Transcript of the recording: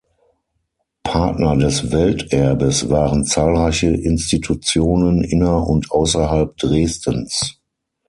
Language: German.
Partner des Welterbes waren zahlreiche Institutionen inner- und außerhalb Dresdens.